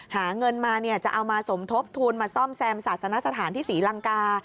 หาเงินมาเนี่ยจะเอามาสมทบทุนมาซ่อมแซมศาสนสถานที่ศรีลังกา